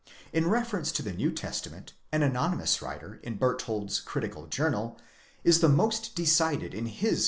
In reference to the New Testament an anonymous writer in Bertholdt's Critical Journal? is the most decided in his.